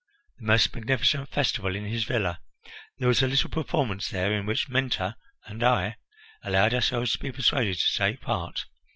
The most magnificent festival in his villa! There was a little performance there in which Mentor and I allowed ourselves to be persuaded to take part.